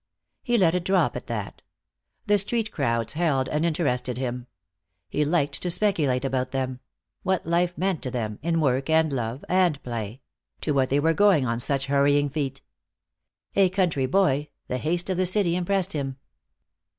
He let it drop at that. The street crowds held and interested him. He liked to speculate about them; what life meant to them, in work and love and play; to what they were going on such hurrying feet. A country boy, the haste of the city impressed him.